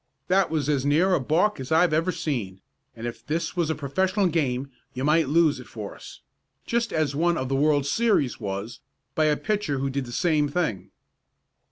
That was as near a balk as I've ever seen, and if this was a professional game you might lose it for us, just as one of the world series was, by a pitcher who did the same thing."